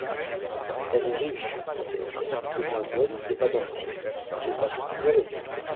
Elle est riche, ma sœur… demoiselle et pas d’enfants ! c’est à considérer.